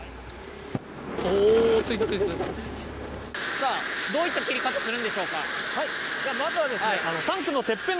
さあどういった切り方するんでしょうか？